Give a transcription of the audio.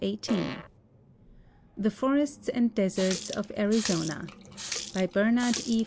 # THE FORESTS AND DESERTS OF ARIZONA* By Bernhaud E.